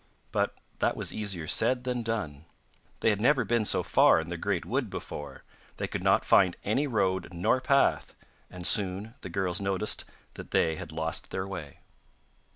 But that was easier said than done. They had never been so far in the great wood before, they could not find any road nor path, and soon the girls noticed that they had lost their way.